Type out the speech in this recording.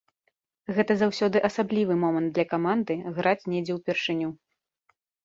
І гэта заўсёды асаблівы момант для каманды, граць недзе ў першыню.